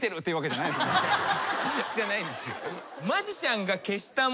じゃないですよ。